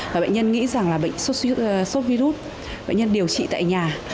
và bệnh nhân nghĩ rằng là sốt sốt virus bệnh nhân điều trị tại nhà